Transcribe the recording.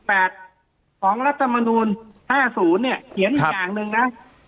ภาษา๔๘ของรัฐมนูล๕๐เขียนอีกอย่างหนึ่งนะ